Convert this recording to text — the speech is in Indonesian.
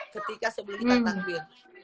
ketika sebelum kita takbir